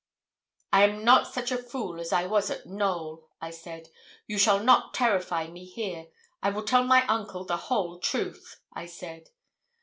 'I am not such a fool as I was at Knowl,' I said; 'you shall not terrify me here. I will tell my uncle the whole truth,' I said.